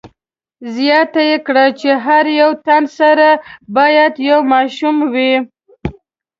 زیاته یې کړه چې هر یو تن سره باید یو ماشوم وي.